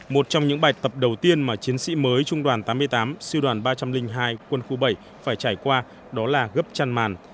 một trong những bài tập đầu tiên mà chiến sĩ mới trung đoàn tám mươi tám siêu đoàn ba trăm linh hai quân khu bảy phải trải qua đó là gấp chăn màn